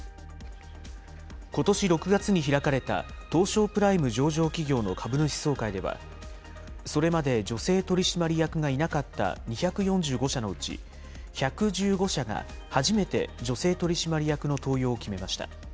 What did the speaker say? ことし６月に開かれた、東証プライム上場企業の株主総会では、それまで女性取締役がいなかった２４５社のうち、１１５社が初めて女性取締役の登用を決めました。